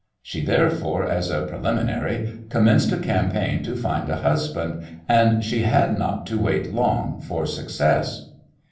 She therefore, as a preliminary, commenced a campaign to find a husband, and she had not to wait long for success.